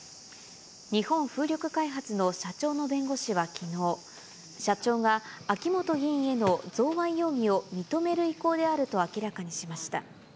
日本風力開発の社長の弁護士はきのう、社長が秋本議員への贈賄容疑を認める意向であると明らかにしました。